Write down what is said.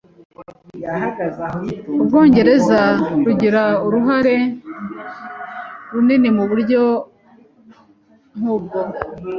Ubwongereza rugira uruhare runini Mu buryo nkubwo